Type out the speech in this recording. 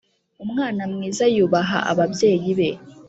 Umwana mwiza yubaha ababyeyi be